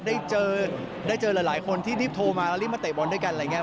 ได้เจอได้เจอหลายคนที่รีบโทรมาแล้วรีบมาเตะบอลด้วยกันอะไรอย่างนี้